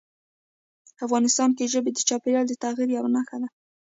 افغانستان کې ژبې د چاپېریال د تغیر یوه نښه ده.